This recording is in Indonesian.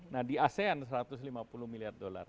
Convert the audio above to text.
nah di asean satu ratus lima puluh miliar dolar